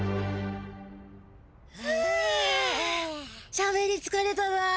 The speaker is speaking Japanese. しゃべりつかれただ。